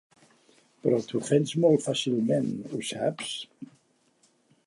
Però t'ofens molt fàcilment, ho saps?